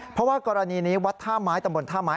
เพราะว่ากรณีนี้วัดท่าไม้ตำบลท่าไม้